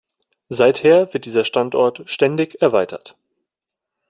Seither wird dieser Standort ständig erweitert.